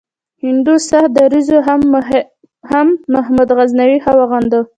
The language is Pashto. هندو سخت دریځو هم محمود غزنوي ښه وغنده.